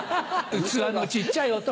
器の小っちゃい男。